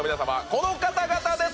この方々です